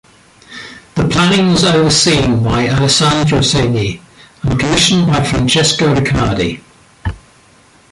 The planning was overseen by Alessandro Segni and commissioned by Francesco Riccardi.